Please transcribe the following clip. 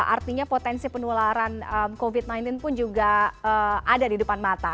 artinya potensi penularan covid sembilan belas pun juga ada di depan mata